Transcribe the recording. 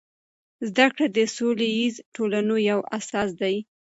زده کړه د سوله ییزو ټولنو یو اساس دی.